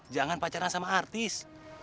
jangan pacaran sama artis